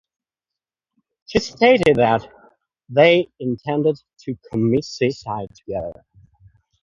She stated that they intended to commit suicide together.